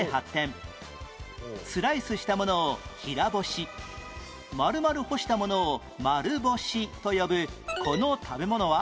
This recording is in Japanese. スライスしたものを平干し丸々干したものを丸干しと呼ぶこの食べ物は？